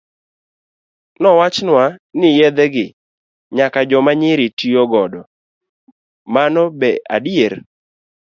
Nowachnwa ni yedhe gi nyaka joma nyiri tiyo godo, mano be adier?